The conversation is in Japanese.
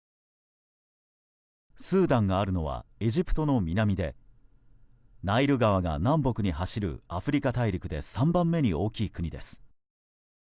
スーダンがあるのはエジプトの南でナイル川が南北に走るアフリカ大陸で３番目に大きい国です。